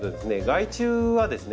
害虫はですね